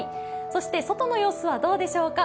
そして外の様子はどうでしょうか。